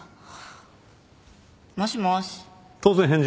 もしもし？